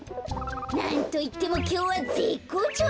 なんといってもきょうはぜっこうちょうなんだから。